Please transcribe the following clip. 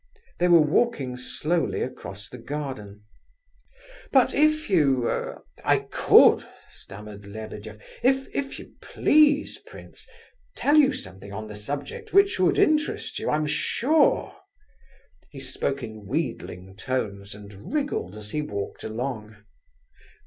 They were walking slowly across the garden. "But if you... I could..." stammered Lebedeff, "if... if you please, prince, tell you something on the subject which would interest you, I am sure." He spoke in wheedling tones, and wriggled as he walked along.